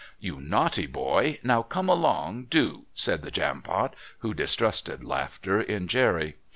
"You naughty boy; now come along, do," said the Jampot, who distrusted laughter in Jerry.